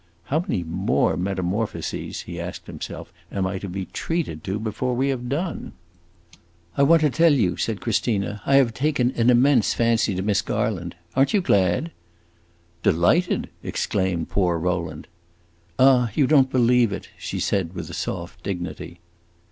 "How many more metamorphoses," he asked himself, "am I to be treated to before we have done?" "I want to tell you," said Christina. "I have taken an immense fancy to Miss Garland. Are n't you glad?" "Delighted!" exclaimed poor Rowland. "Ah, you don't believe it," she said with soft dignity.